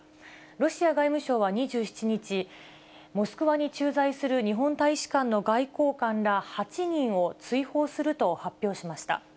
ロシア外務省は２７日、モスクワに駐在する日本大使館の外交官ら８人を追放すると発表しました。